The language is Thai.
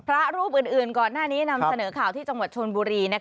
พระรูปอื่นก่อนหน้านี้นำเสนอข่าวที่จังหวัดชนบุรี